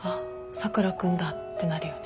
佐倉君だってなるよね。